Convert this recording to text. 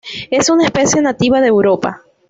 Es una especie nativa de Europa.